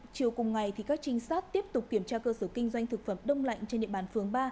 chiều cùng ngày các trinh sát tiếp tục kiểm tra cơ sở kinh doanh thực phẩm đông lạnh trên địa bàn phường ba